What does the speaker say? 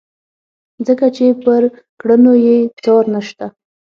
ځکه چې پر کړنو یې څار نشته.